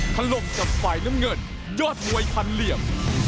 ทะลงจากไฟล์น้ำเงินยอดมวยคันเหลี่ยม